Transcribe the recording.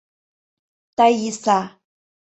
Таиса.